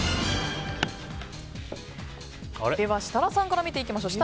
では、設楽さんから見ていきましょう。